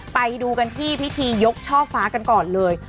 ไปดูกันที่พิธียกช่อฟ้ากันก่อนเลย